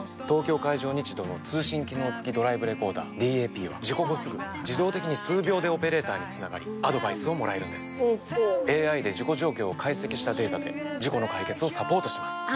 東京海上日動の通信機能付きドライブレコーダーＤＡＰは事故後すぐ自動的に数秒でオペレーターにつながりアドバイスをもらえるんですＡＩで事故状況を解析したデータで事故の解決をサポートします